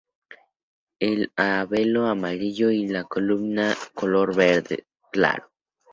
El labelo amarillo y la columna de color verde claro.